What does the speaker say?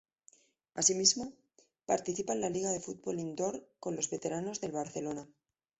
Asimismo, participa en la Liga de Fútbol Indoor con los veteranos del Barcelona.